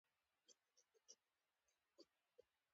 احمدشاه بابا د خلکو باور درلود.